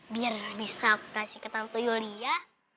biar bisa kasih ke tante yulia